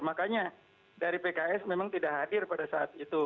makanya dari pks memang tidak hadir pada saat itu